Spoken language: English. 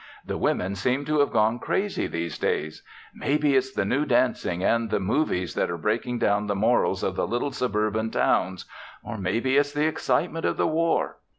"The women seem to have gone crazy these days. Maybe it's the new dancing and the movies that are breaking down the morals of the little suburban towns or maybe it's the excitement of the war.